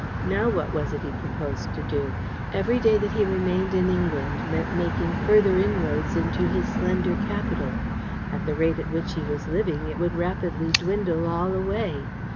Now what was it he proposed to do? Every day that he remained in England meant making further inroads into his slender capital. At the rate at which he was living, it would rapidly dwindle all away.